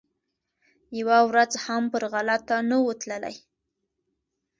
یوه ورځ هم پر غلطه نه وو تللی